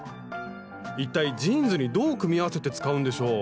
一体ジーンズにどう組み合わせて使うんでしょう？